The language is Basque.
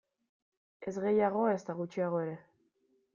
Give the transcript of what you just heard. Ez gehiago, ezta gutxiago ere.